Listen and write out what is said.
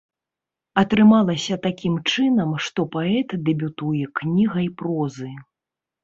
Атрымалася такім чынам, што паэт дэбютуе кнігай прозы.